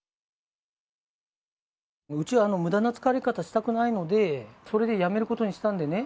うちはむだな使われ方したくないので、それでやめることにしたんでね。